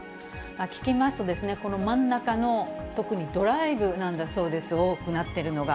聞きますと、この真ん中の特にドライブなんだそうです、多くなってるのが。